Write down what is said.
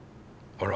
あら。